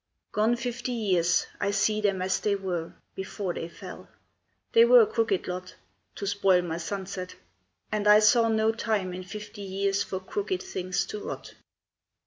"Gone fifty years, I see them as they were Before they fell. They were a crooked lot To spoil my sunset, and I saw no time In fifty years for crooked things to rot.